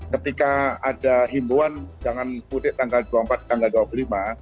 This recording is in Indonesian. ketika ada himbuan jangan mudik tanggal dua puluh empat tanggal dua puluh lima